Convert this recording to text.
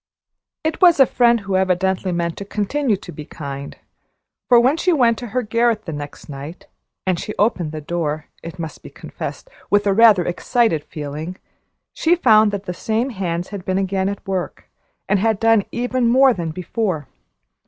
It was a friend who evidently meant to continue to be kind, for when she went to her garret the next night and she opened the door, it must be confessed, with rather an excited feeling she found that the same hands had been again at work, and had done even more than before.